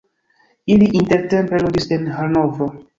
Ili intertempe loĝis en Hanovro.